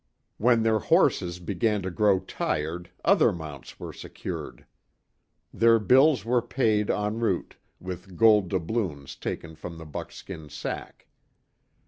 When their horses began to grow tired, other mounts were secured. Their bills were paid enroute, with gold doubloons taken from the buckskin sack.